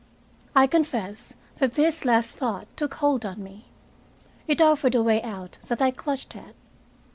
I confess that this last thought took hold on me. It offered a way out that I clutched at.